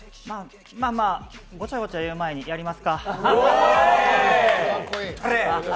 まあまあ、ごちゃごちゃ言う前にやりますか。